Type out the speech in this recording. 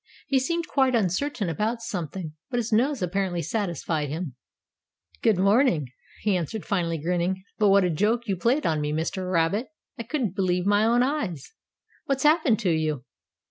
He seemed quite uncertain about something, but his nose apparently satisfied him. "Good morning," he answered finally, grinning. "But what a joke you played on me, Mr. Rabbit. I couldn't believe my own eyes. What's happened to you?"